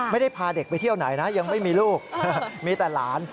ไม่ได้พาเด็กไปเที่ยวไหนนะยังไม่มีลูกมีแต่หลาน